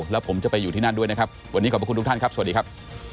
แล้วผมจะไปอยู่ที่นั่นด้วยนะครับวันนี้ขอบคุณทุกท่านครับสวัสดีครับ